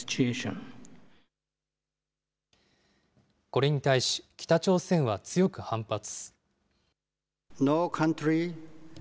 これに対し、北朝鮮は強く反発。